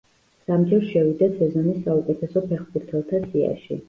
სამჯერ შევიდა სეზონის საუკეთესო ფეხბურთელთა სიაში.